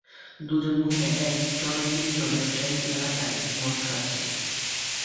দু'জন মহিলা এক জনাকীর্ণ ব্যাবসায়িক এলাকায় মদ খাচ্ছে